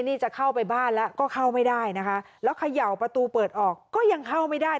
นี่จะเข้าไปบ้านแล้วก็เข้าไม่ได้นะคะแล้วเขย่าประตูเปิดออกก็ยังเข้าไม่ได้